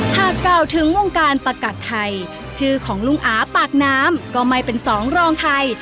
กล่าวถึงวงการประกัดไทยชื่อของลุงอาปากน้ำก็ไม่เป็นสองรองไทย